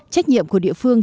trách nhiệm của địa phương